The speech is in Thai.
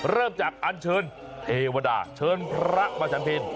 เริ่มจากอันเชิญเทวดาเชิญพระมาฉันเพล